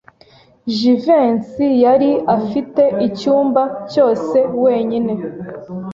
Jivency yari afite icyumba cyose wenyine.